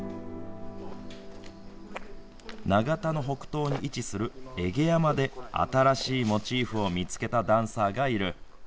長田の北東に位置する会下山で、新しいモチーフを見つけたダンサーがいる。